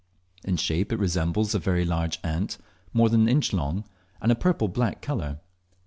In shape it resembles a very large ant, more than an inch long, and of a purple black colour.